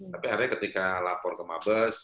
tapi akhirnya ketika lapor ke mabes